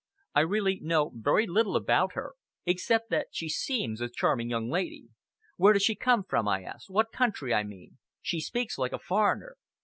I really know very little about her, except that she seems a charming young lady." "Where does she come from?" I asked "what country, I mean? She speaks like a foreigner!"